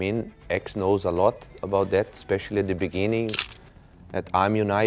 อย่างนักบริษัทเค้ารู้จักสำหรับช่วงการชื่นัย